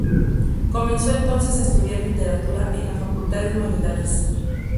Comenzó entonces a estudiar Literatura en la Facultad de Humanidades.